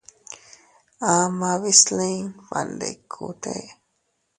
Amaa bislin baʼandikute.